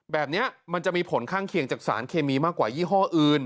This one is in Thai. แบบนี้มันจะมีผลข้างเคียงจากสารเคมีมากกว่ายี่ห้ออื่น